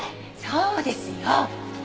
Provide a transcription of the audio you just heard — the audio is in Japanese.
そうですよ！